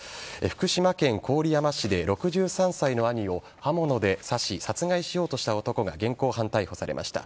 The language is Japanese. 福島県郡山市で６３歳の兄を刃物で刺し殺害しようとした男が現行犯逮捕されました。